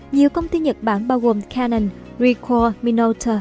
nhiều công ty nhật bản bao gồm canon ricoh minolta